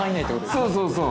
そうそうそう。